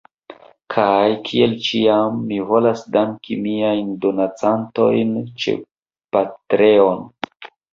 Kaj, kiel ĉiam, mi volas danki miajn donacantojn ĉe Patreon